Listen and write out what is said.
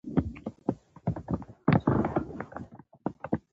سهار د بریالیتوب ګام دی.